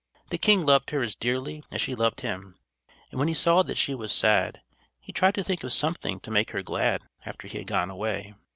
The king loved her as dearly as she loved him; and when he saw that she was sad, he tried to think of something to make her glad after he had gone away.